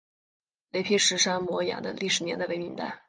雷劈石山摩崖的历史年代为明代。